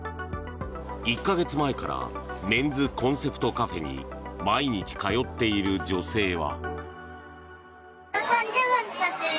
１か月前からメンズコンセプトカフェに毎日通っている女性は。